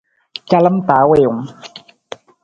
Calam ta wiiwung.